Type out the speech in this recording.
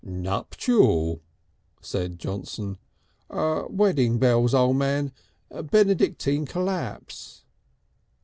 "Nuptial!" said Johnson. "Wedding bells, O' Man. Benedictine collapse."